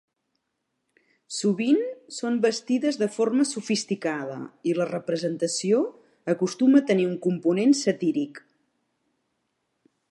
Sovint són vestides de forma sofisticada i la representació acostuma a tenir un component satíric.